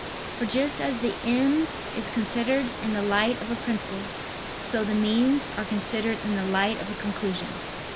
For just as the end is considered in the light of a principle, so the means are considered in the light of a conclusion.